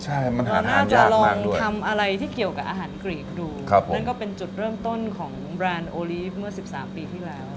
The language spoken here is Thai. มันน่าจะลองทำอะไรที่เกี่ยวกับอาหารกรีกดูนั่นก็เป็นจุดเริ่มต้นของแบรนด์โอลีฟเมื่อ๑๓ปีที่แล้ว